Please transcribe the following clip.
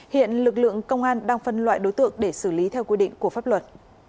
hiện lực lượng công an đang phân loại đối tượng để xử lý theo quy định của pháp luật